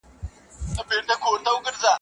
o چاري و سوې، چي پاته ناچاري سوې.